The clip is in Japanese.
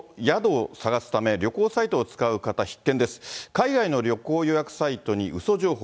海外の旅行予約サイトにうそ情報。